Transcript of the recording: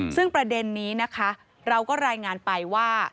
ซึ่งประเด็นนี้นะคะเราก็รายงานไปว่า